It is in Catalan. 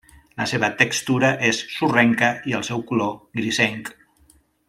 La seva textura és sorrenca i el seu color grisenc.